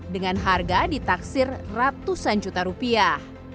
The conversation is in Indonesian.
dengan harga ditaksir ratusan juta rupiah